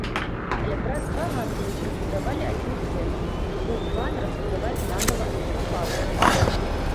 Але праз два гады прыбудавалі адзін цэх, і быў план разбудаваць нанава ўсю фабрыку.